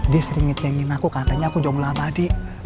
dia sering ngin ngin aku katanya aku jombola abadi